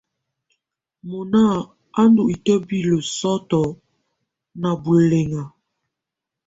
Mɔnà à ndù itǝbilǝ sɔ̀tɔ̀ nà bulɛŋa.